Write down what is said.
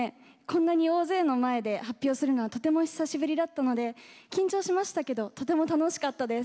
こんなに大勢の前で発表するのはとても久しぶりだったので緊張しましたけどとても楽しかったです。